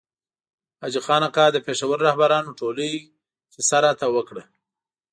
حاجي خان اکا د پېښور رهبرانو ټولۍ کیسه راته وکړه.